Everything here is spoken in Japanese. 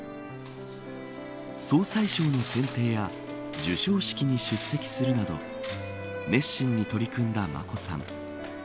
総裁賞の選定や授賞式に出席するなど熱心に取り組んだ眞子さん。